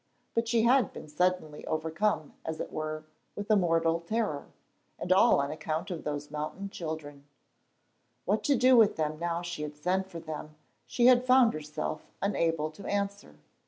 But she had been suddenly overcome, as it were, with a mortal terror, and all on account of those mountain children. What to do with them now she had sent for them she had found herself unable to answer.